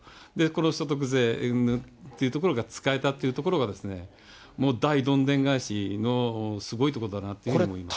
この所得税うんぬんというところが使えたっていうところが、もう大どんでん返しのすごいところだなと思います。